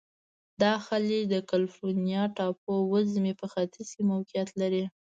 دا خلیج د کلفورنیا ټاپو وزمي په ختیځ کې موقعیت لري.